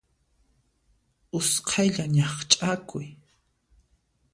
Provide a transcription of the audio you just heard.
Usqhaylla ñaqch'akuy.